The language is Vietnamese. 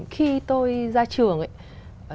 khi tôi ra trường ấy